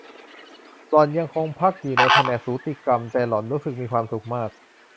หล่อนยังคงพักอยู่ในแผนกสูติกรรม แต่หล่อนรู้สึกมีความสุขมาก